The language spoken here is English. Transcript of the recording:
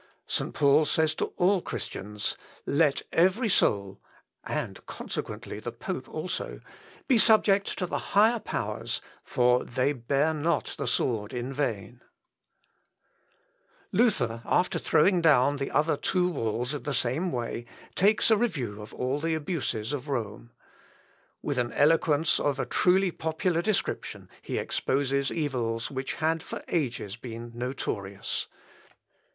St. Paul says to all Christians, 'Let every soul,' (and consequently the pope also,) 'be subject to the higher powers; for they bear not the sword in vain.'" Πᾶσα Ψυχή, Rom. xiii. 1. 4. Luther, after throwing down the other two walls in the same way, takes a review of all the abuses of Rome. With an eloquence of a truly popular description he exposes evils which had, for ages, been notorious.